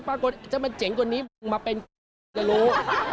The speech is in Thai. ปรากฏจะมาเจ๋งกว่านี้มาเป็นจะรู้